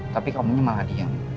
tapi kamu malah diam